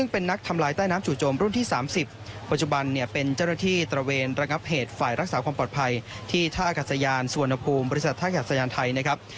เป็นนักทำลายใต้น้ำจู่โจมรุ่นที่๓๐ปัจจุบันเนี่ยเป็นเจ้าหน้าที่ตระเวนระงับเหตุฝ่ายรักษาความปลอดภัยที่ท่าอากาศยานสุวรรณภูมิบริษัทท่ากัดสยานไทยนะครับ